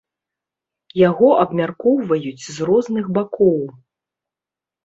Яго абмяркоўваюць з розных бакоў.